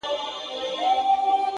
اخلاص د اعتماد بنسټ پیاوړی کوي؛